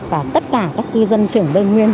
và tất cả các cư dân trưởng đơn nguyên